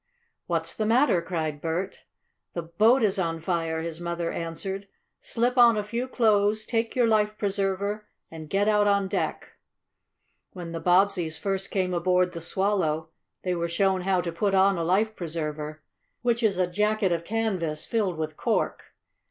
"What's the matter?" cried Bert. "The boat is on fire!" his mother answered. "Slip on a few clothes, take your life preserver, end get out on deck." When the Bobbseys first came aboard the Swallow they were shown how to put on a life preserver, which is a jacket of canvas filled with cork.